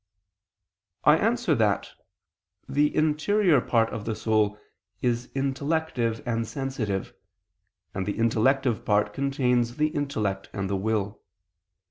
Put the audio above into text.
I answer that, The interior part of the soul is intellective and sensitive; and the intellective part contains the intellect and the will.